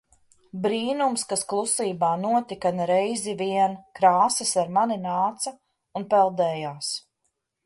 Brīnums, kas klusībā notika ne reizi vien. Krāsas ar mani nāca un peldējās.